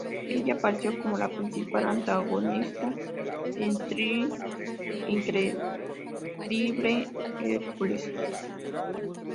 Ella apareció como la principal antagonista en "The Incredible Hercules".